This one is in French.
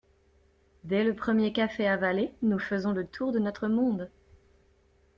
Dès le premier café avalé, nous faisons le tour de notre monde.